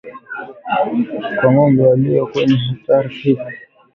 Kwa ng'ombe walio kwenye hatari vifo vinaweza kufika ikiwa hawatatibiwa